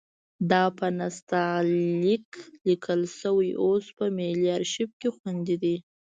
دا په نستعلیق لیک لیکل شوی اوس په ملي ارشیف کې خوندي دی.